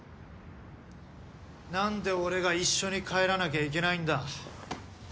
・何で俺が一緒に帰らなきゃいけないんだ。